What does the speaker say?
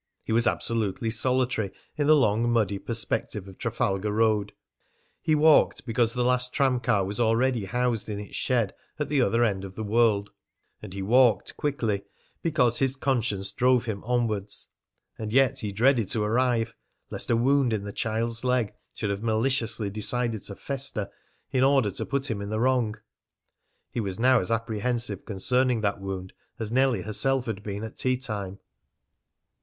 He was absolutely solitary in the long, muddy perspective of Trafalgar Road. He walked because the last tram car was already housed in its shed at the other end of the world, and he walked quickly because his conscience drove him onwards. And yet he dreaded to arrive, lest a wound in the child's leg should have maliciously decided to fester in order to put him in the wrong. He was now as apprehensive concerning that wound as Nellie herself had been at tea time.